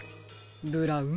ブラウン